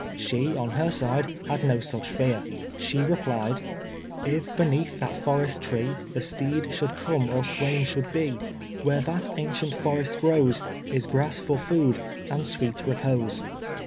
She, on her side, had no such fear. She replied "If beneath that forest tree, The steed should come or swain should be, Where that ancient forest grows, Is grass for food, and sweet repose."